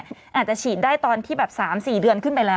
อาจจะฉีดได้ตอนที่แบบ๓๔เดือนขึ้นไปแล้ว